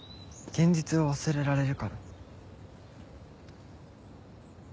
「現実を忘れられる」？